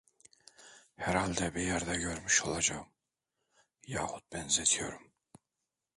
Herhalde bir yerde görmüş olacağım, yahut benzetiyorum!